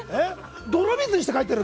泥水にして帰ってやるよ